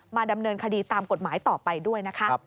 ดำเนินคดีตามกฎหมายต่อไปด้วยนะคะ